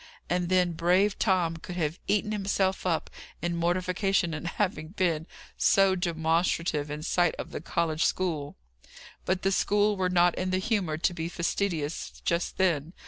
And then brave Tom could have eaten himself up, in mortification at having been so demonstrative in sight of the college school. But the school were not in the humour to be fastidious just then.